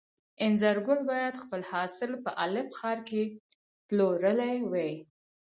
انځرګل باید خپل حاصل په الف ښار کې پلورلی وای.